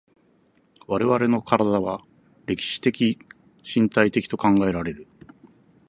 我々の身体は歴史的身体的と考えられる。